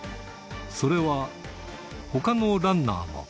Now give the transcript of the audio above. それは、ほかのランナーも。